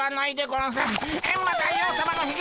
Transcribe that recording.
エンマ大王さまのひげ